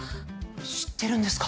知ってるんですか？